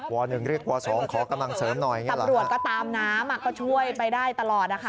หนึ่งเรียกว๒ขอกำลังเสริมหน่อยตำรวจก็ตามน้ำอ่ะก็ช่วยไปได้ตลอดนะคะ